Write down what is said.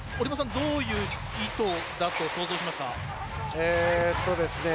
どういう意図だと想像しますか？